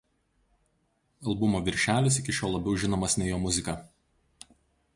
Albumo viršelis iki šiol labiau žinomas nei jo muzika.